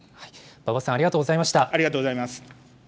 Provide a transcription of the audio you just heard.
馬場さん、ありがとうございました。